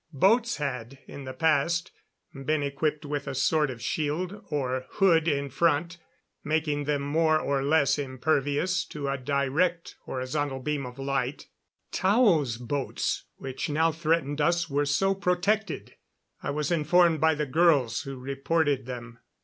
Boats had, in the past, been equipped with a sort of shield or hood in front, making them more or less impervious to a direct horizontal beam of the light. Tao's boats which now threatened us were so protected, I was informed by the girls who reported them.